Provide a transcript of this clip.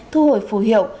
thu hồi phù hiệu